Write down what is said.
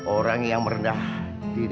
orang yang merendah di dalamnya